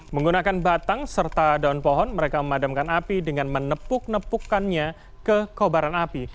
menggunakan batang serta daun pohon mereka memadamkan api dengan menepuk nepukannya ke kobaran api